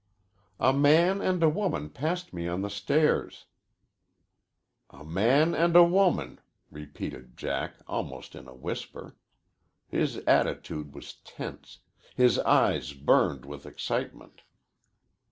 "A man and a woman passed me on the stairs." "A man and a woman," repeated Jack, almost in a whisper. His attitude was tense. His eyes burned with excitement.